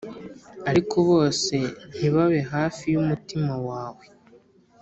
ariko bose ntibabe hafi yumutima wawe.